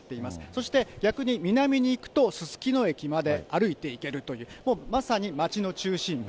そして逆に南に行くとすすきの駅まで歩いて行けるという、まさに街の中心部。